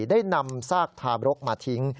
ได้นำซากทารกมาทิ้ง